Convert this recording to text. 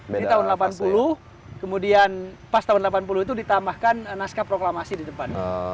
jadi tahun seribu sembilan ratus delapan puluh kemudian pas tahun seribu sembilan ratus delapan puluh itu ditambahkan naskah proklamasi di depannya